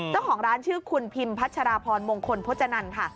เจ้าของร้านชื่อคุณพิมพัชราพรมงคลพจนันค่ะ